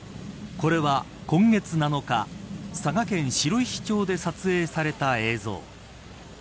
これは今月７日佐賀県白石町で撮影された映像。